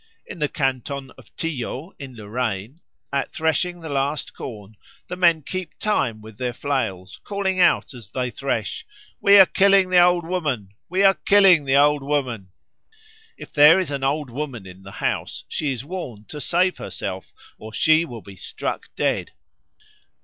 In the Canton of Tillot, in Lorraine, at threshing the last corn the men keep time with their flails, calling out as they thresh, "We are killing the Old Woman! We are killing the Old Woman!" If there is an old woman in the house she is warned to save herself, or she will be struck dead.